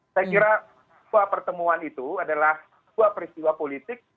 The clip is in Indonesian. saya kira dua pertemuan itu adalah dua peristiwa politik